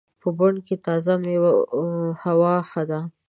په بڼ کې تازه هوا ښه ده.